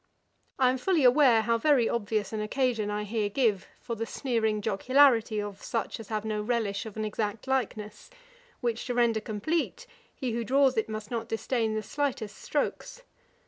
I am fully aware how very obvious an occasion I here give for the sneering jocularity of such as have no relish of an exact likeness; which to render complete, he who draws it must not disdain the slightest strokes.